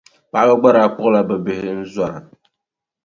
Paɣiba gba daa kpuɣila bɛ bihi n-zɔra.